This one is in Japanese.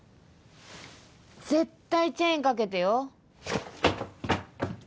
絶対チェーン掛けてよ。